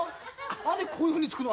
何でこういうふうにつくの？